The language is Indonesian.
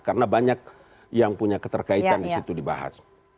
karena banyak yang punya keterkaitan di situ dibahas